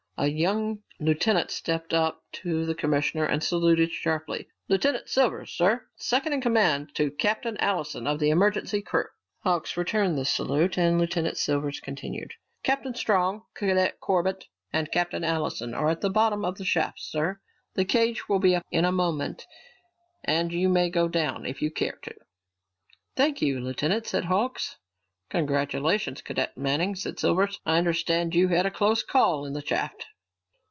A young lieutenant stepped up to the commissioner and saluted sharply. "Lieutenant Silvers, sir. Second in command to Captain Allison of the emergency crew." Hawks returned the salute and Lieutenant Silvers continued. "Captain Strong, Cadet Corbett, and Captain Allison are at the bottom of the shaft, sir. The cage will be up in a moment and you may go down if you care to." "Thank you, Lieutenant," said Hawks. "Congratulations, Cadet Manning," said Silvers. "I understand you had a close call in the shaft."